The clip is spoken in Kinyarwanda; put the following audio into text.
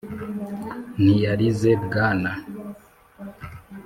ntiyarize bwana,